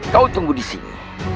kau tunggu di sini